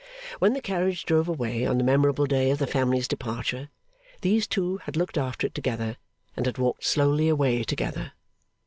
When the carriage drove away on the memorable day of the family's departure, these two had looked after it together, and had walked slowly away together.